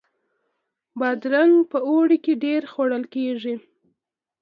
بادرنګ په اوړي کې ډیر خوړل کیږي